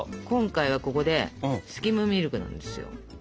今回はここでスキムミルクなんですよ。えっ？